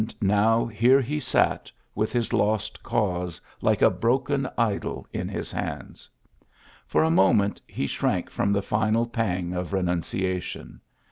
GBAKT now here he sat, with his lost cause like a broken idol in his hands. For a mo ment he shrank from the final pang of rennnciation.